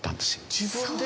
自分で？